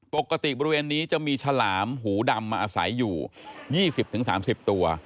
ปกติบริเวณนี้จะมีฉลามหูดำมาอาศัยอยู่๒๐๓๐ตัว